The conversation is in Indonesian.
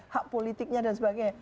hak politiknya dan sebagainya